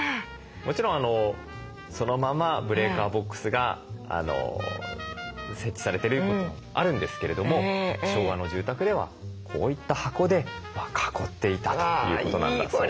もちろんそのままブレーカーボックスが設置されてることもあるんですけれども昭和の住宅ではこういった箱で囲っていたということなんだそうなんですね。